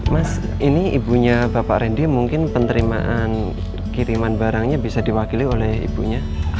mas ini ibunya bapak randy mungkin penerimaan kiriman barangnya bisa diwakili oleh ibunya